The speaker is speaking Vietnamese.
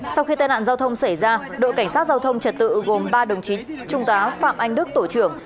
sau khi tai nạn giao thông xảy ra đội cảnh sát giao thông trật tự gồm ba đồng chí trung tá phạm anh đức tổ trưởng